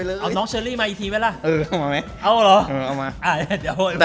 เอาน้องเชอรี่มาอีกทีไหมล่ะ